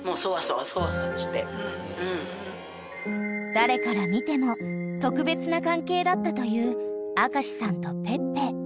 ［誰から見ても特別な関係だったという明さんとペッペ］